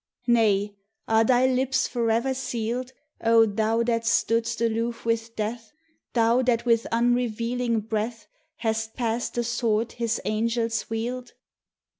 Nay! are thy lips forever sealed, O thou that stoodst aloof with Death Thou that with unrevealing breath Hast passed the swords his angels wield?